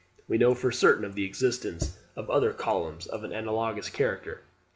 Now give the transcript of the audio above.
We know for certain of the existence of other columns of an analogous character.